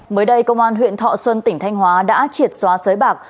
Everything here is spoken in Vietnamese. mới đây công an huyện thọ xuân tỉnh thanh hóa đã triệt xóa bạc